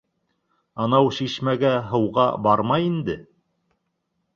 Анау шишмәгә һыуға барма инде